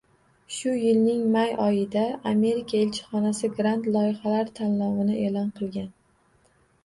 Shu yilning may oyida Amerika elchixonasi grant loyihalar tanlovini e'lon qilgan.